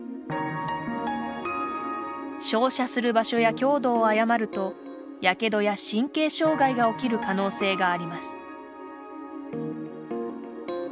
照射する場所や強度を誤るとやけどや神経障害が起きる可能性があります。